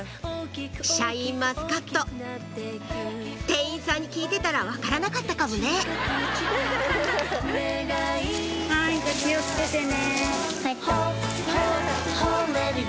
シャインマスカット店員さんに聞いてたら分からなかったかもねはいじゃ気を付けてね。